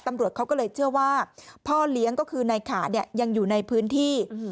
ตำรวจเขาก็เลยเชื่อว่าพ่อเลี้ยงยังอยู่ในพื้นที่